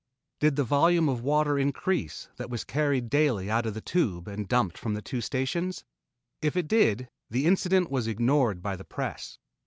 Did the volume of water increase that was carried daily out of the Tube and dumped from the two stations? If it did, the incident was ignored by the press.